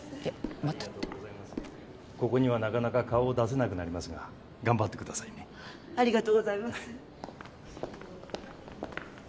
またってなかなか顔を出せなくなりますが頑張ってくださいねありがとうございます・